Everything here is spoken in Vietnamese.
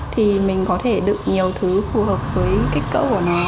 thì mình có thể đựng nhiều thứ phù hợp với kích cỡ của nó